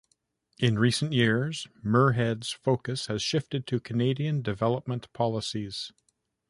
In recent years Muirhead's focus has shifted to Canadian Development Policies.